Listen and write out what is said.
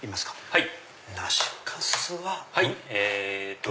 はい。